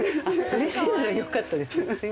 うれしいならよかったです。